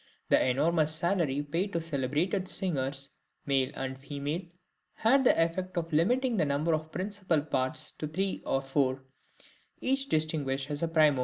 The enormous salary paid to celebrated singers, male and female, had the effect of limiting the number of principal parts to three or four, each distinguished as primo.